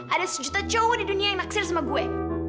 ada sejuta cowok di dunia yang naksir sama gue